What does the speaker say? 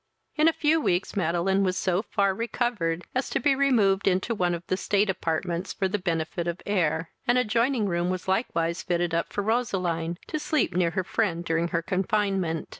In a few weeks Madeline was so far recovered, as to be removed into one of the state apartments for the benefit of air; an adjoining room was likewise fitted up for Roseline, to sleep near her friend during her confinement.